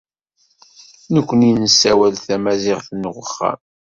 Nekkni nessawal tamaziɣt n uxxam.